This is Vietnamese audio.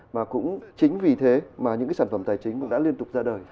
mà cũng chính vì thế mà những cái sản phẩm tài chính cũng đã liên tục ra đời